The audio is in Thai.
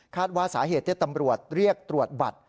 ว่าสาเหตุที่ตำรวจเรียกตรวจบัตร